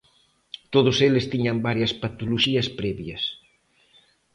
Todos eles tiñan varias patoloxías previas.